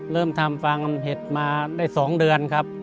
เริ่มทำฟางเห็ดมาได้๒เดือนครับ